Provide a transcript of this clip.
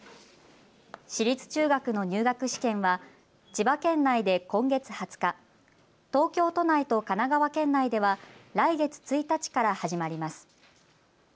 私立中学の入学試験は千葉県内で今月２０日、東京都内と神奈川県内では来月１日から始まります。